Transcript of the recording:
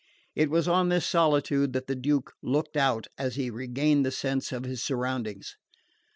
It was on this solitude that the Duke looked out as he regained a sense of his surroundings.